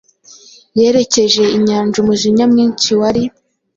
Yerekeje inyanja umujinya mwinshi wari